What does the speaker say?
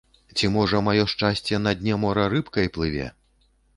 Ці, можа, маё шчасце на дне мора рыбкай плыве?